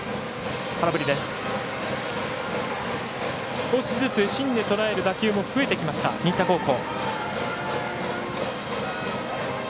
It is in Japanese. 少しずつ芯でとらえる打球も増えてきました、新田高校。